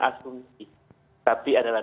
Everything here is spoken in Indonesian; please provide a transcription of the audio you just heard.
asumsi tapi adalah